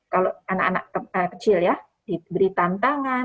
kalau anak anak kecil ya diberi tantangan